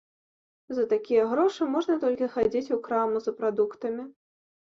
За такія грошы можна толькі хадзіць у краму за прадуктамі.